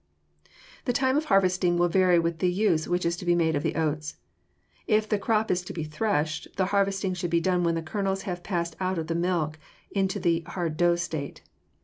The time of harvesting will vary with the use which is to be made of the oats. If the crop is to be threshed, the harvesting should be done when the kernels have passed out of the milk into the hard dough state.